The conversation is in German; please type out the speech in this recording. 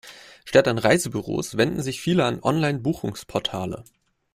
Statt an Reisebüros wenden sich viele an Online-Buchungsportale.